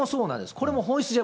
これも本質じゃ、